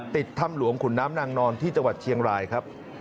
ถ้ำหลวงขุนน้ำนางนอนที่จังหวัดเชียงรายครับ